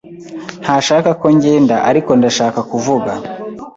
Ntashaka ko ngenda, ariko ndashaka kuvuga.